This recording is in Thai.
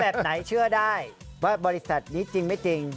คนไยเชื่อได้บริษัทนี้จริงไม่จริง